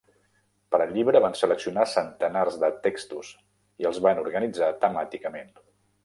Per al llibre, van seleccionar centenars de textos i els van organitzar temàticament.